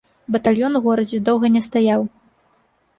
Батальён у горадзе доўга не стаяў.